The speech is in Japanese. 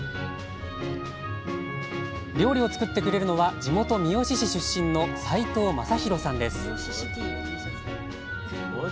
料理を作ってくれるのは地元三好市出身の齋藤誠泰さんです